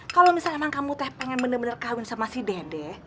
kalau misalnya emang kamu pengen bener bener kawin sama si dede